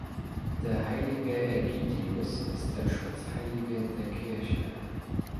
Der heilige Ägidius ist der Schutzheilige der Kirche.